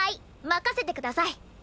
任せてください！